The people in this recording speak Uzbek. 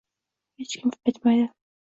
Hech kim qaytmaydi.